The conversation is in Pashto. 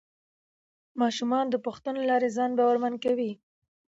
ماشومان د پوښتنو له لارې ځان باورمن کوي